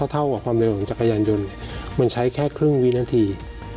เท่ากับความเร็วของจักรยานยนต์มันใช้แค่ครึ่งวินาที